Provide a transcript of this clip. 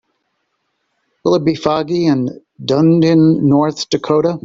Will it be foggy in Dunedin North Dakota?